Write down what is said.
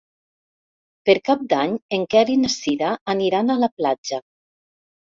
Per Cap d'Any en Quer i na Cira aniran a la platja.